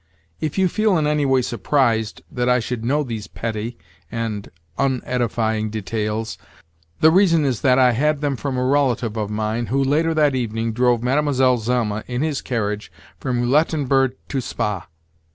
If you feel in any way surprised that I should know these petty and unedifying details, the reason is that I had them from a relative of mine who, later that evening, drove Mlle. Zelma in his carriage from Roulettenberg to Spa.